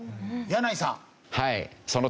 柳井さん